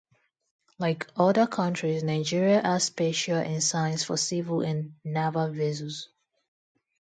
Like other countries, Nigeria has special ensigns for civil and naval vessels.